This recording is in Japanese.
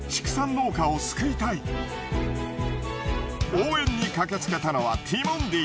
応援にかけつけたのはティモンディ。